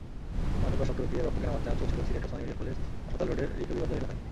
মাদকাসক্ত ব্যক্তিদের রক্ত কেনাবেচা চলছিল সিলেটে ওসমানী মেডিকেল কলেজ হাসপাতাল রোডের রিকাবিবাজার এলাকায়।